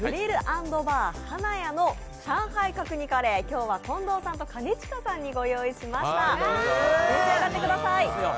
Ｇｒｉｌｌ＆ＢａｒＨａｎａｙａの上海角煮カレー、今日は近藤さんと兼近さんにご用意しました、召し上がってください。